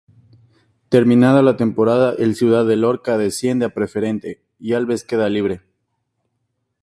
Terminada la temporada el Ciudad de Lorca desciende a Preferente y Alves queda libre.